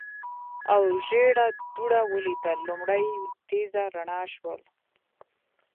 او ژېړه دوړه ولیدل، لومړی یوه تېزه رڼا شول.